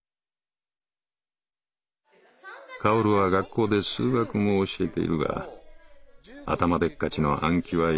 「薫は学校で数学も教えているが頭でっかちの暗記はやめ